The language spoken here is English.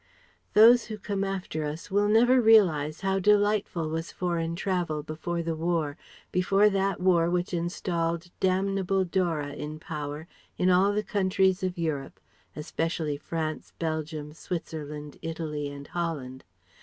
] Those who come after us will never realize how delightful was foreign travel before the War, before that War which installed damnable Dora in power in all the countries of Europe, especially France, Belgium, Switzerland, Italy, and Holland.